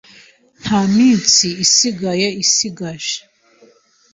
Nta minsi isigaye isigaje.